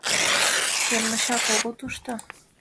— Кермычак огыл тушто?